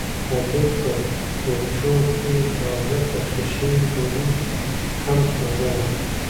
هګۍ په کوچو کې تازه پخې شوي ډوډۍ هم توده ده.